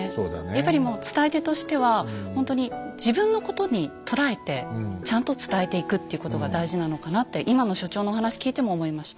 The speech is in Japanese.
やっぱりもう伝え手としてはほんとに自分のことに捉えてちゃんと伝えていくっていうことが大事なのかなって今の所長のお話聞いても思いました。